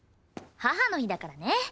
母の日だからね。